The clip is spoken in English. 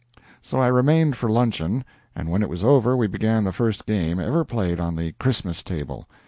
So I remained for luncheon, and when it was over we began the first game ever played on the "Christmas" table.